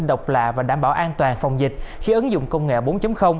độc lạ và đảm bảo an toàn phòng dịch khi ứng dụng công nghệ bốn